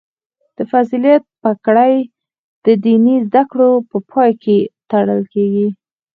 د فضیلت پګړۍ د دیني زده کړو په پای کې تړل کیږي.